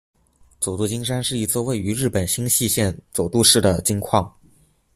佐渡金山是一座位于日本新舄县佐渡市的金矿。